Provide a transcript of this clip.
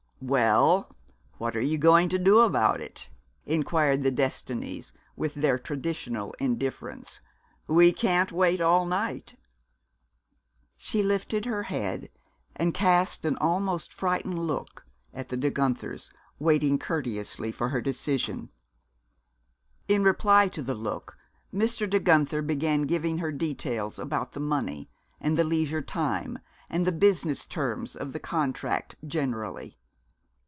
"Well, what are you going to do about it?" inquired the Destinies with their traditional indifference. "We can't wait all night!" She lifted her head and cast an almost frightened look at the De Guenthers, waiting courteously for her decision. In reply to the look, Mr. De Guenther began giving her details about the money, and the leisure time, and the business terms of the contract generally.